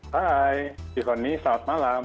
hai yoni selamat malam